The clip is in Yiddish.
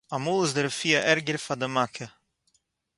אַ מאָל איז די רפֿואה ערגער פֿאַר דער מכּה.